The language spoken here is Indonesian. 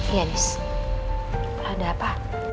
iya nis ada apa